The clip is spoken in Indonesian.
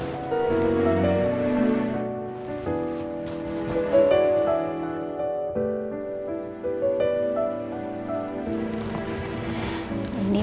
ini kotak apa ya